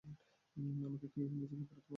আমাকে দেখে কী নিজেকে অপরাধী মনে হয়।